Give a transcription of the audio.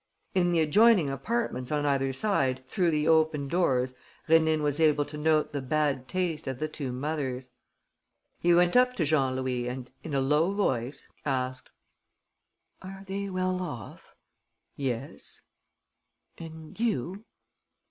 In the adjoining apartments on either side, through the open doors, Rénine was able to note the bad taste of the two mothers. He went up to Jean Louis and, in a low voice, asked: "Are they well off?" "Yes." "And you?"